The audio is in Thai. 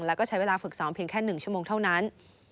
แล้วก็ใช้เวลาฝึกซ้อมเพียงแค่๑ชั่วโมงเท่านั้น